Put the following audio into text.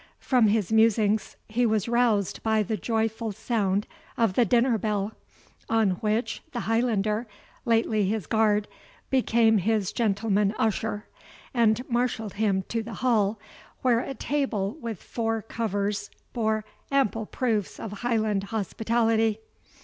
From his musings, he was roused by the joyful sound of the dinner bell, on which the Highlander, lately his guard, became his gentleman usher, and marshalled him to the hall, where a table with four covers bore ample proofs of Highland hospitality.